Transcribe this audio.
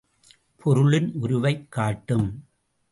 பொருளின் உருவைக் காட்டும்.